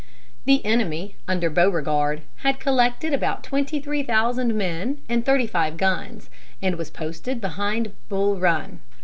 The enemy, under Beauregard, had collected about twenty three thousand men and thirty five guns, and was posted behind Bull Run.